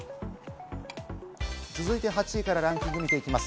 続いて８位からランキングを見ていきます。